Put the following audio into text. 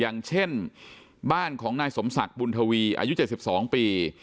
อย่างเช่นบ้านของนายสมศักดิ์บุญทวีอายุ๗๒ปี